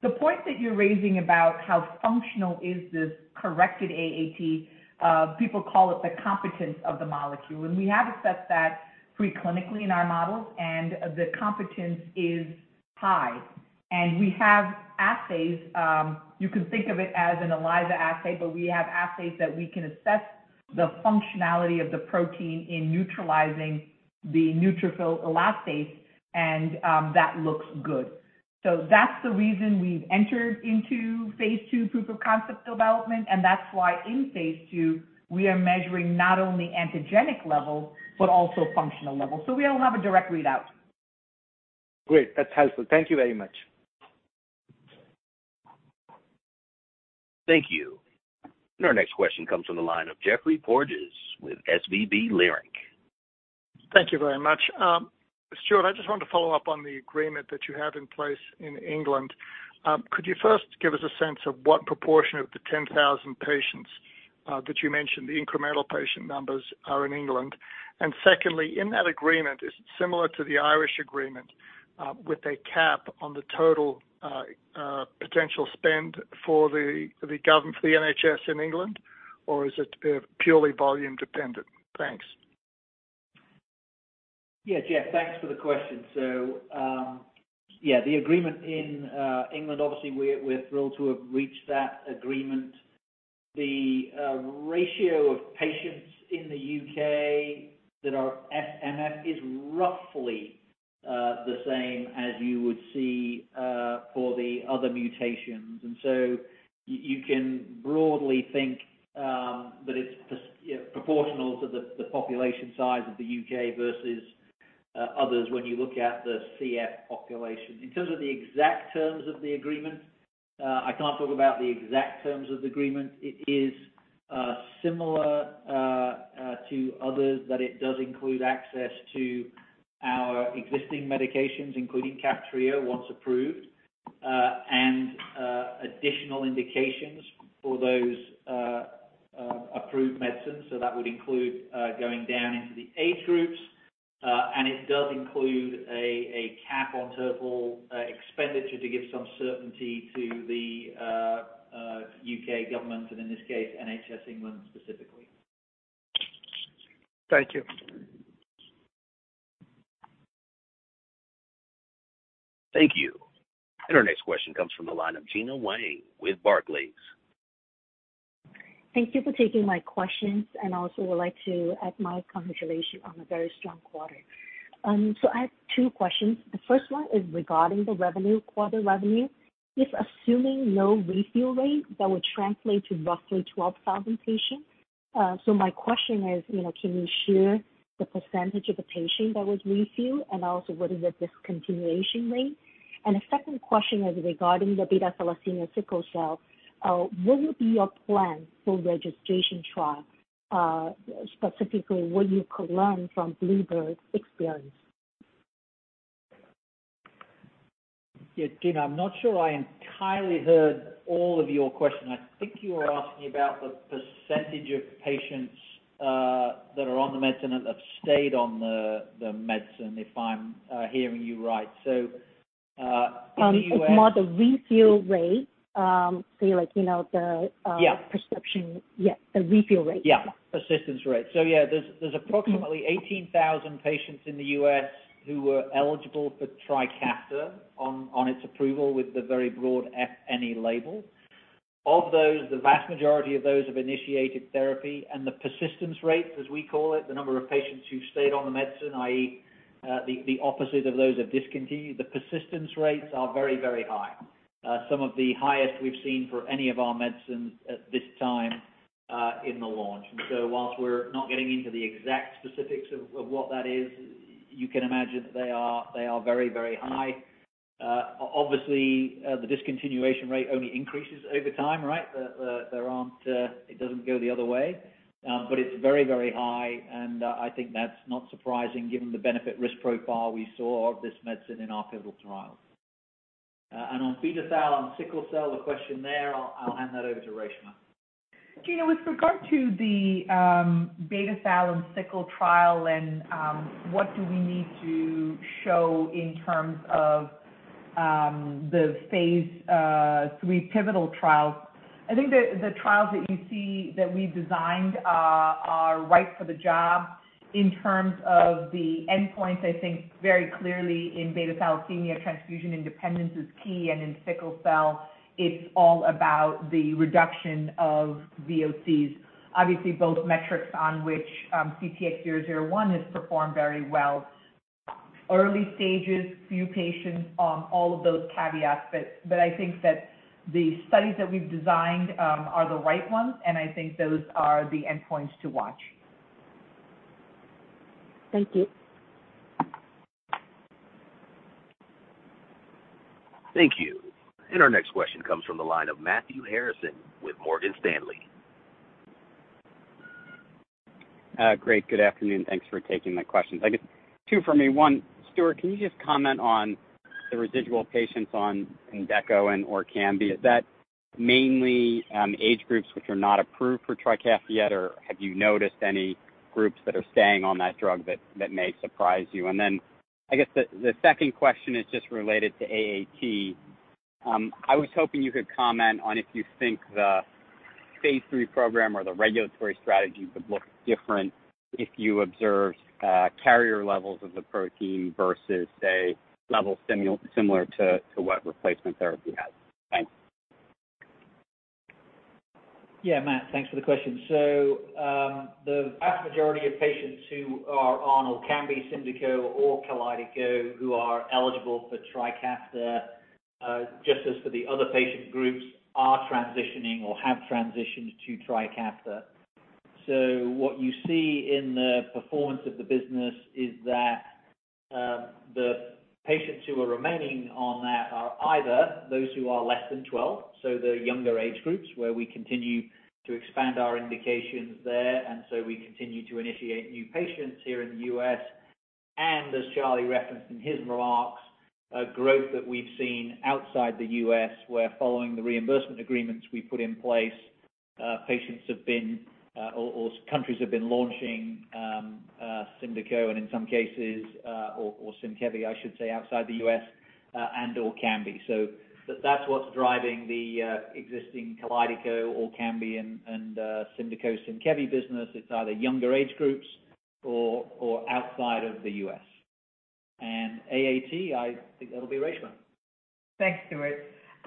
The point that you're raising about how functional is this corrected AAT, people call it the competence of the molecule, and we have assessed that pre-clinically in our models, and the competence is high. We have assays, you can think of it as an ELISA assay, but we have assays that we can assess the functionality of the protein in neutralizing the neutrophil elastase, and that looks good. That's the reason we've entered into phase II proof of concept development, and that's why in phase II, we are measuring not only antigenic levels but also functional levels. We'll have a direct readout. Great. That's helpful. Thank you very much. Thank you. Our next question comes from the line of Geoffrey Porges with SVB Leerink. Thank you very much. Stuart, I just wanted to follow up on the agreement that you have in place in England. Could you first give us a sense of what proportion of the 10,000 patients that you mentioned, the incremental patient numbers are in England? Secondly, in that agreement, is it similar to the Irish agreement, with a cap on the total potential spend for the government, for the NHS in England, or is it purely volume dependent? Thanks. Yeah. Geoff, thanks for the question. Yeah, the agreement in England, obviously, we're thrilled to have reached that agreement. The ratio of patients in the U.K. that are F/MF is roughly the same as you would see for the other mutations. You can broadly think that it's proportional to the population size of the U.K. versus others when you look at the CF population. In terms of the exact terms of the agreement, I can't talk about the exact terms of the agreement. It is similar to others that it does include access to our existing medications, including KAFTRIO, once approved, and additional indications for those approved medicines. That would include going down into the age groups. It does include a cap on total expenditure to give some certainty to the U.K. government and in this case, NHS England specifically. Thank you. Thank you. Our next question comes from the line of Gena Wang with Barclays. Thank you for taking my questions, and also would like to add my congratulations on a very strong quarter. I have two questions. The first one is regarding the revenue, quarter revenue. If assuming no refill rate, that would translate to roughly 12,000 patients. My question is, can you share the percentage of the patient that would refill, and also what is the discontinuation rate? The second question is regarding the beta thalassemia sickle cell. What would be your plan for registration trial? Specifically, what you could learn from bluebird's experience. Yeah, Gena, I'm not sure I entirely heard all of your question. I think you were asking about the percentage of patients that are on the medicine that have stayed on the medicine, if I'm hearing you right. In the U.S. It's more the refill rate. Yeah prescription. Yeah, the refill rate. Persistence rate. There's approximately 18,000 patients in the U.S. who were eligible for TRIKAFTA on its approval with the very broad F/MF label. Of those, the vast majority of those have initiated therapy, and the persistence rates, as we call it, the number of patients who've stayed on the medicine, i.e., the opposite of those who've discontinued. The persistence rates are very, very high. Some of the highest we've seen for any of our medicines at this time in the launch. Whilst we're not getting into the exact specifics of what that is, you can imagine that they are very, very high. Obviously, the discontinuation rate only increases over time, right? It doesn't go the other way. It's very, very high, and I think that's not surprising given the benefit-risk profile we saw of this medicine in our pivotal trial. On beta thal, on sickle cell, the question there, I'll hand that over to Reshma. Gena, with regard to the beta thal and sickle trial and what do we need to show in terms of the phase III pivotal trial. I think the trials that you see that we've designed are right for the job in terms of the endpoints. I think very clearly in beta thalassemia, transfusion independence is key, and in sickle cell, it's all about the reduction of VOCs. Obviously, both metrics on which CTX001 has performed very well. Early stages, few patients, all of those caveats. I think that the studies that we've designed are the right ones, and I think those are the endpoints to watch. Thank you. Thank you. Our next question comes from the line of Matthew Harrison with Morgan Stanley. Great. Good afternoon. Thanks for taking my questions. I guess two from me. One, Stuart, can you just comment on the residual patients on SYMDEKO and ORKAMBI? Is that mainly age groups which are not approved for TRIKAFTA yet? Have you noticed any groups that are staying on that drug that may surprise you? I guess the second question is just related to AAT. I was hoping you could comment on if you think the phase III program or the regulatory strategy would look different if you observed carrier levels of the protein versus, say, level similar to what replacement therapy has. Thanks. Yeah, Matt, thanks for the question. The vast majority of patients who are on ORKAMBI, SYMDEKO, or KALYDECO who are eligible for TRIKAFTA, just as for the other patient groups, are transitioning or have transitioned to TRIKAFTA. What you see in the performance of the business is that the patients who are remaining on that are either those who are less than 12, the younger age groups, where we continue to expand our indications there, and we continue to initiate new patients here in the U.S. As Charlie referenced in his remarks, a growth that we've seen outside the U.S., where following the reimbursement agreements we put in place, patients have been, or countries have been launching, SYMDEKO and in some cases, or SYMKEVI, I should say, outside the U.S., and ORKAMBI. That's what's driving the existing KALYDECO, ORKAMBI, and, SYMDEKO, SYMKEVI business. It's either younger age groups or outside of the U.S. AAT, I think that'll be Reshma. Thanks, Stuart.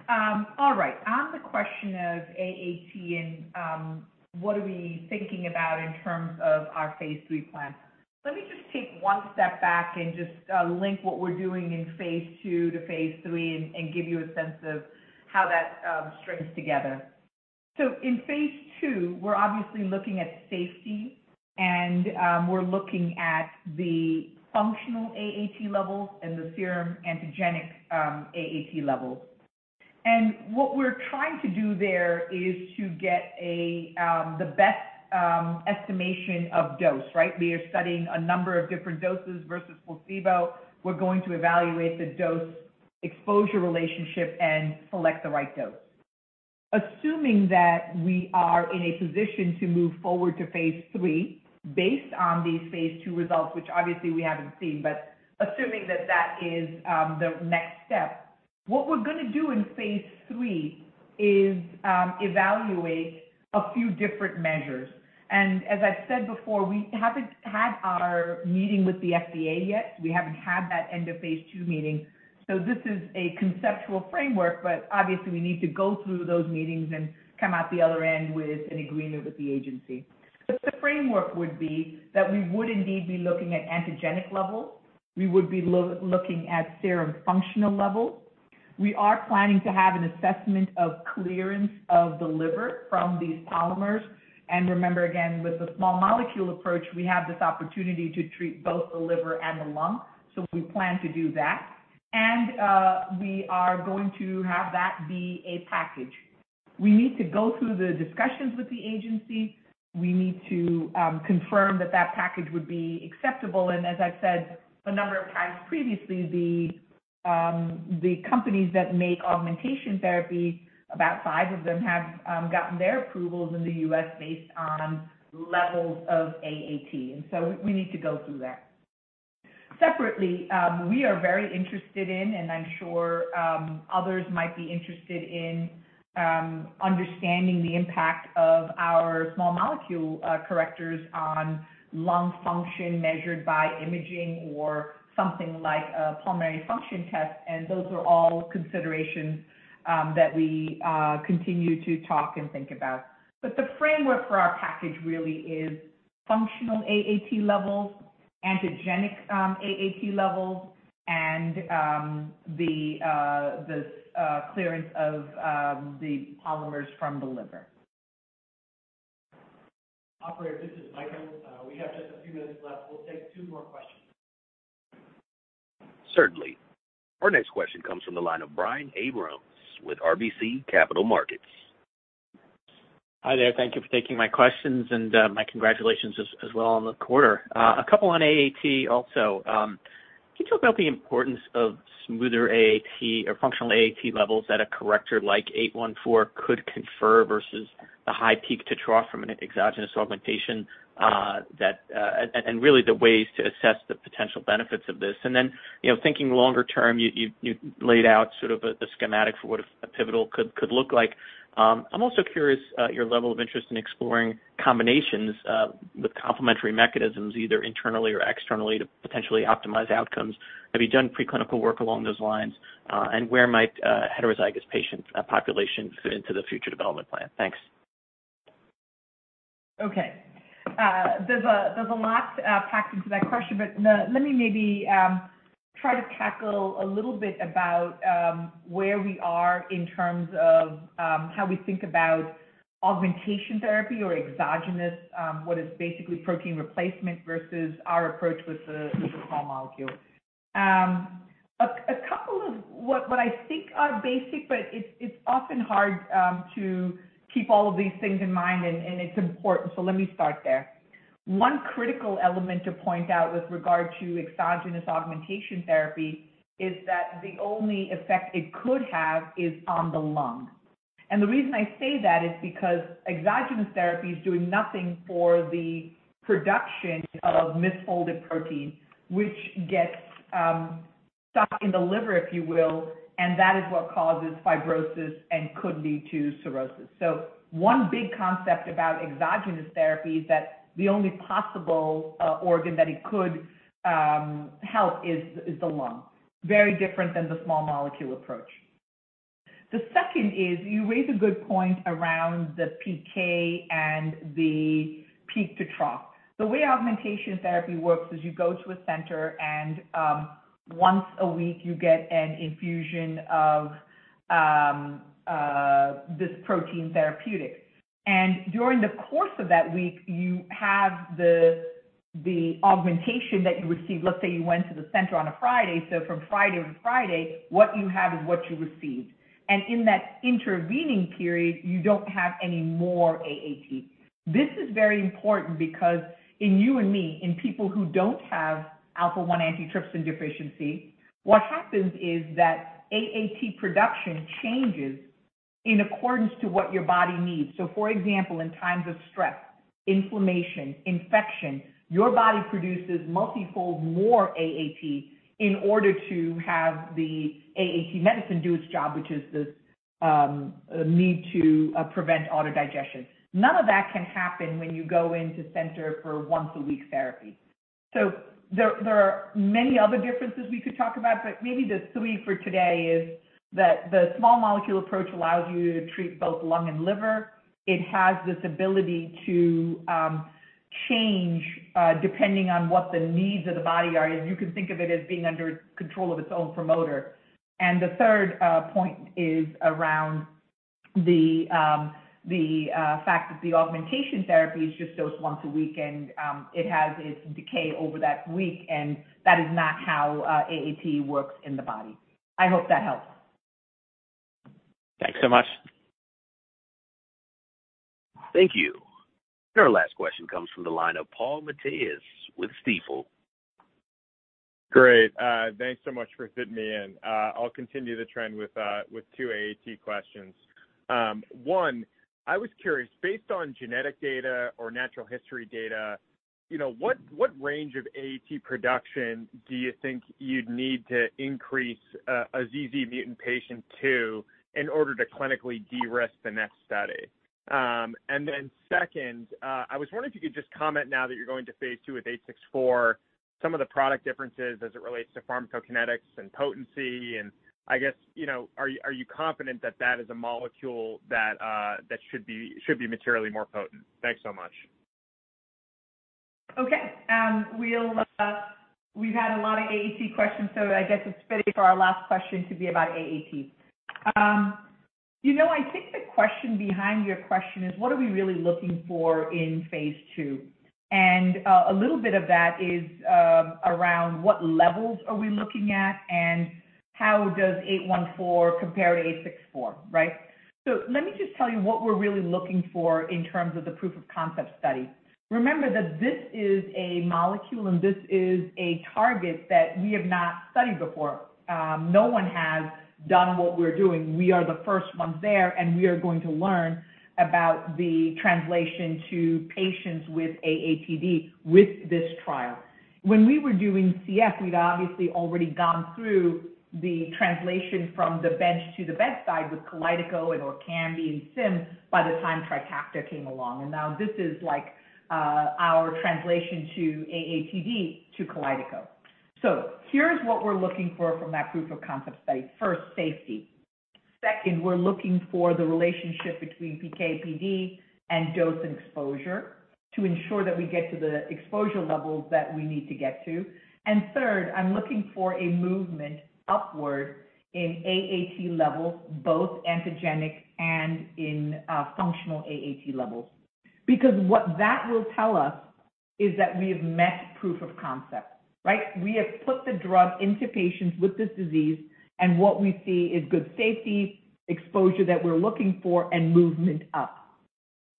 All right. On the question of AAT and what are we thinking about in terms of our phase III plan. Let me just take one step back and just link what we're doing in phase II to phase III and give you a sense of how that strings together. In phase II, we're obviously looking at safety and we're looking at the functional AAT levels and the serum antigenic AAT levels. What we're trying to do there is to get the best estimation of dose, right? We are studying a number of different doses versus placebo. We're going to evaluate the dose-exposure relationship and select the right dose. Assuming that we are in a position to move forward to phase III based on these phase II results, which obviously we haven't seen, but assuming that that is the next step, what we're going to do in phase III is evaluate a few different measures. As I've said before, we haven't had our meeting with the FDA yet. We haven't had that end-of-phase II meeting. This is a conceptual framework, but obviously we need to go through those meetings and come out the other end with an agreement with the agency. The framework would be that we would indeed be looking at antigenic levels. We would be looking at serum functional levels. We are planning to have an assessment of clearance of the liver from these polymers. Remember, again, with the small molecule approach, we have this opportunity to treat both the liver and the lung. We plan to do that. We are going to have that be a package. We need to go through the discussions with the agency. We need to confirm that that package would be acceptable. As I've said a number of times previously, the companies that make augmentation therapy, about five of them have gotten their approvals in the U.S. based on levels of AAT. We need to go through that. Separately, we are very interested in, and I'm sure others might be interested in, understanding the impact of our small molecule correctors on lung function measured by imaging or something like a pulmonary function test, and those are all considerations that we continue to talk and think about. The framework for our package really is functional AAT levels, antigenic AAT levels, and the clearance of the polymers from the liver. Operator, this is Michael. We have just a few minutes left. We'll take two more questions. Certainly. Our next question comes from the line of Brian Abrahams with RBC Capital Markets. Hi there. Thank you for taking my questions, and my congratulations as well on the quarter. A couple on AAT also. Can you talk about the importance of smoother AAT or functional AAT levels that a corrector like VX-814 could confer versus the high peak to trough from an exogenous augmentation, and really the ways to assess the potential benefits of this? Then, thinking longer term, you laid out sort of a schematic for what a pivotal could look like. I'm also curious your level of interest in exploring combinations with complementary mechanisms, either internally or externally, to potentially optimize outcomes. Have you done preclinical work along those lines? Where might heterozygous populations fit into the future development plan? Thanks. Okay. There's a lot packed into that question, but let me maybe try to tackle a little bit about where we are in terms of how we think about augmentation therapy or exogenous, what is basically protein replacement versus our approach with the small molecule. A couple of what I think are basic, but it's often hard to keep all of these things in mind, and it's important, so let me start there. One critical element to point out with regard to exogenous augmentation therapy is that the only effect it could have is on the lung. The reason I say that is because exogenous therapy is doing nothing for the production of misfolded protein, which gets stuck in the liver, if you will, and that is what causes fibrosis and could lead to cirrhosis. One big concept about exogenous therapy is that the only possible organ that it could help is the lung. Very different than the small molecule approach. The second is, you raise a good point around the PK and the peak to trough. The way augmentation therapy works is you go to a center and once a week you get an infusion of this protein therapeutic. During the course of that week, you have the augmentation that you receive. Let's say you went to the center on a Friday, so from Friday to Friday, what you have is what you received. In that intervening period, you don't have any more AAT. This is very important because in you and me, in people who don't have alpha-1 antitrypsin deficiency, what happens is that AAT production changes in accordance to what your body needs. For example, in times of stress, inflammation, infection, your body produces multifold more AAT in order to have the AAT medicine do its job, which is the need to prevent autodigestion. None of that can happen when you go into center for once a week therapy. There are many other differences we could talk about, but maybe the three for today is that the small molecule approach allows you to treat both lung and liver. It has this ability to change depending on what the needs of the body are. You can think of it as being under control of its own promoter. The third point is around the fact that the augmentation therapy is just dosed once a week and it has its decay over that week, and that is not how AAT works in the body. I hope that helps. Thanks so much. Thank you. Our last question comes from the line of Paul Matteis with Stifel. Great. Thanks so much for fitting me in. I'll continue the trend with two AAT questions. One, I was curious, based on genetic data or natural history data, what range of AAT production do you think you'd need to increase a ZZ mutant patient to in order to clinically de-risk the next study? Second, I was wondering if you could just comment now that you're going to phase II with VX-864, some of the product differences as it relates to pharmacokinetics and potency, and I guess, are you confident that that is a molecule that should be materially more potent? Thanks so much. Okay. We've had a lot of AAT questions. I guess it's fitting for our last question to be about AAT. I think the question behind your question is, what are we really looking for in phase II? A little bit of that is around what levels are we looking at and how does VX-814 compare to VX-864, right? Let me just tell you what we're really looking for in terms of the proof of concept study. Remember that this is a molecule and this is a target that we have not studied before. No one has done what we're doing. We are the first ones there, and we are going to learn about the translation to patients with AATD with this trial. When we were doing CF, we'd obviously already gone through the translation from the bench to the bedside with KALYDECO and ORKAMBI and Sym by the time TRIKAFTA came along, and now this is like our translation to AATD to KALYDECO. Here's what we're looking for from that proof of concept study. First, safety. Second, we're looking for the relationship between PK/PD and dose and exposure to ensure that we get to the exposure levels that we need to get to. Third, I'm looking for a movement upward in AAT levels, both antigenic and in functional AAT levels. Because what that will tell us is that we have met proof of concept, right? We have put the drug into patients with this disease, and what we see is good safety, exposure that we're looking for, and movement up.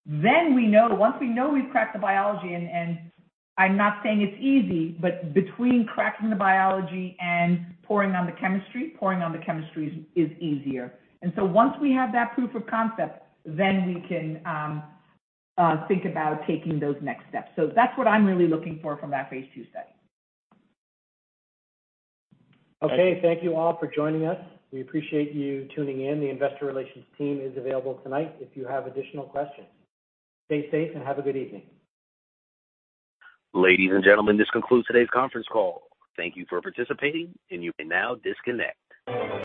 We know, once we know we've cracked the biology, and I'm not saying it's easy, but between cracking the biology and pouring on the chemistry, pouring on the chemistry is easier. Once we have that proof of concept, then we can think about taking those next steps. That's what I'm really looking for from that phase II study. Okay. Thank you all for joining us. We appreciate you tuning in. The investor relations team is available tonight if you have additional questions. Stay safe and have a good evening. Ladies and gentlemen, this concludes today's conference call. Thank you for participating and you may now disconnect.